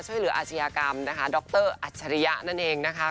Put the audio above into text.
ช่วยเหลืออาชญากรรมนะคะโดคเตอร์อัชริยนั่นเองนะค่ะ